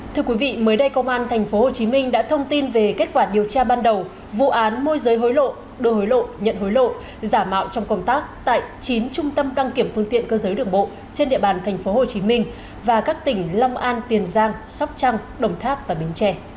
thưa quý vị mới đây công an tp hcm đã thông tin về kết quả điều tra ban đầu vụ án môi giới hối lộ đưa hối lộ nhận hối lộ giả mạo trong công tác tại chín trung tâm đăng kiểm phương tiện cơ giới đường bộ trên địa bàn tp hcm và các tỉnh long an tiền giang sóc trăng đồng tháp và bến trẻ